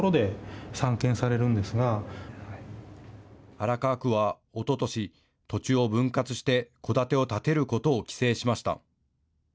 荒川区は、おととし、土地を分割して戸建てを建てることを規制しました。